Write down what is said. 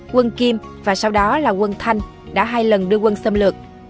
quân kim và sau đó là quân thanh đã hai lần đưa quân xâm lược